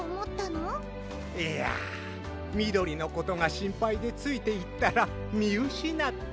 いやみどりのことがしんぱいでついていったらみうしなって。